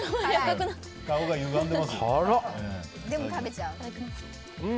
顔がゆがんでますよ。